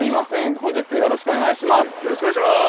本日よろしくお願いします。